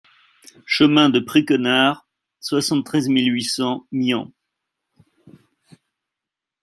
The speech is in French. Chemin de Pré Quenard, soixante-treize mille huit cents Myans